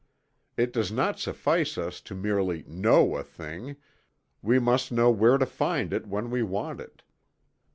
It does not suffice us to merely "know" a thing we must know where to find it when we want it.